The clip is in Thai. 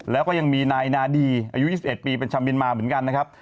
แล้วก็ยังมีนายนาดีอายุ๒๑ปีเป็นชาวเมียนมาเหมือนกันนะครับ